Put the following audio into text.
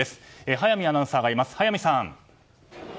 速水アナウンサーがいます。